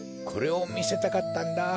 これをみせたかったんだ。